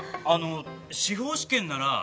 あの司法試験なら。